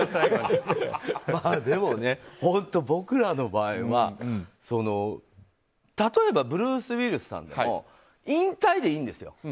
でも本当、僕らの場合は例えばブルース・ウィリスさんでも引退でいいんですよ。